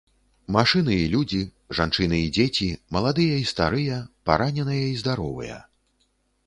Машыны і людзі, жанчыны і дзеці, маладыя і старыя, параненыя і здаровыя.